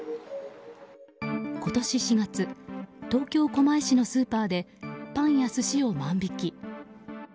今年４月東京・狛江市のスーパーでパンや寿司を万引き。